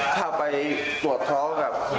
เขาไปปวดถ้องครับ